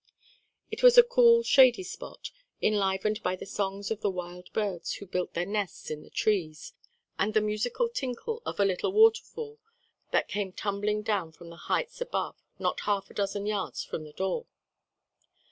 It was a cool shady spot, enlivened by the songs of the wild birds who built their nests in the trees, and the musical tinkle of a little waterfall that came tumbling down from the heights above not half a dozen yards from the door.